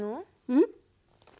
うん？